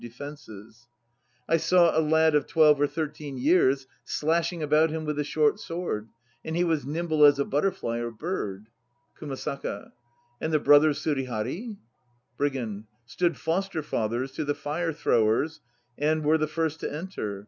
By the light of a rocket 1 I saw a lad of twelve or thirteen years slashing about him with a short sword; and he was nimble as a butter fly or bird. KUMASAKA. And the brothers Surihari? BRIGAND. Stood foster fathers * to the fire throwers and were the first to enter.